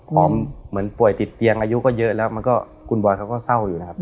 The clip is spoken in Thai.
เหมือนป่วยติดเตียงอายุก็เยอะแล้วมันก็คุณบอยเขาก็เศร้าอยู่นะครับ